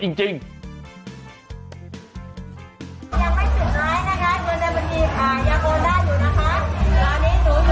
ยังไม่ถึงนะครับเมื่อนี้มันนี่ค่ะ